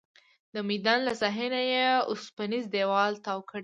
د میدان له ساحې نه یې اوسپنیز دیوال تاو کړی.